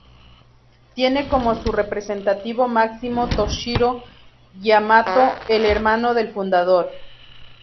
Tiene como su representativo máximo Toshiro Yamato, el hermano del fundador.